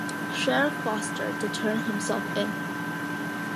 Sheriff Foster to turn himself in.